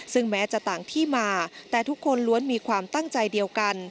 ซึ่งแม้จะต่างที่มาแต่ทุกคนล้วนมีความตั้งใจเดียวกัน